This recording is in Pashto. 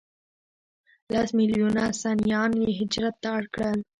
لس ملیونه سنیان یې هجرت ته اړ کړل.